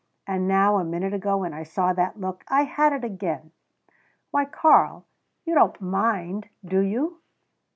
And now, a minute ago, when I saw that look, I had it again." "Why, Karl, you don't mind, do you?"